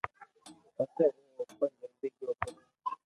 پسي او او آوين جلدي گيو پرو